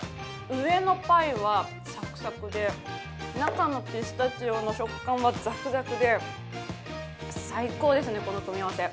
上のパイはサクサクで、中のピスタチオの食感はザクザクで、最高ですね、この組み合わせ。